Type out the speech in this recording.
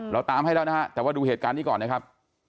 เราตามให้แล้วนะฮะแต่ว่าดูเหตุการณ์นี้ก่อนนะครับ